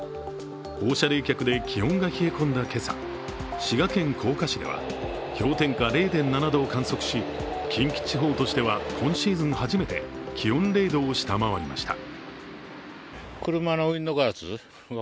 放射冷却で気温が冷え込んだ今朝、滋賀県甲賀市では氷点下０．７度を観測し、近畿地方としては今シーズン初めて気温０度を下回りました。